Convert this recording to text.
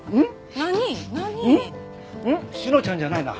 志乃ちゃんじゃないな。